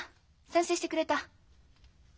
賛成してくれた？